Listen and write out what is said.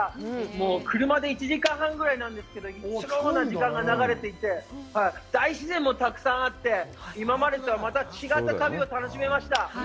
もう車で１時間半ぐらいなんですけどスローな時間が流れていて大自然もたくさんあって今までとはまた違った旅を楽しめました。